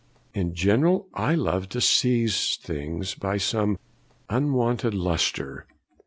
In general I love to seize things by some unwonted lustre.'